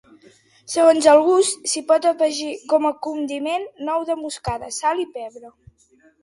Segons el gust, s'hi pot afegir com a condiment nou de moscada, sal i pebre.